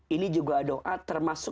ini juga doa termasuk di dalamnya ada rahasia